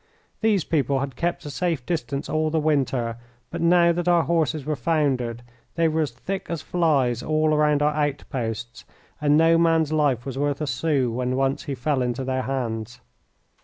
These people had kept a safe distance all the winter, but now that our horses were foundered they were as thick as flies all round our outposts, and no man's life was worth a sou when once he fell into their hands.